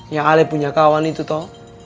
ya al punya kawan itu toh